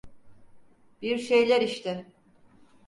Bir şeyler işte.